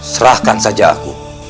serahkan saja aku